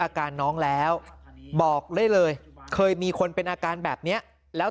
อาการน้องแล้วบอกได้เลยเคยมีคนเป็นอาการแบบนี้แล้ว